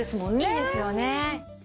いいですよね。